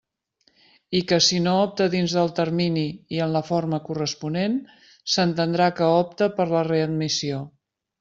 I que, si no opta dins del termini i en la forma corresponent, s'entendrà que opta per la readmissió.